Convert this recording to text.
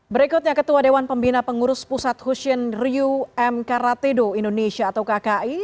berikutnya ketua dewan pembina pengurus pusat husin ryu m karatedo indonesia atau kki